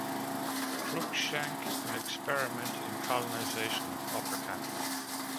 Cruikschank "An Experiment in Colonization in Upper Canada".